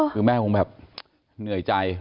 คือแม่คงแบบเหนื่อยใจ